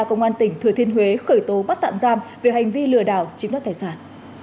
công an tỉnh thừa thiên huế khởi tố bắt tạm giam về hành vi lừa đảo chiếm đất tài sản